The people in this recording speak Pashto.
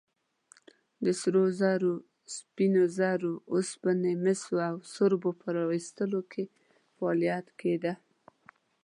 د سرو زرو، سپینو زرو، اوسپنې، مسو او سربو په راویستلو کې فعالیت کېده.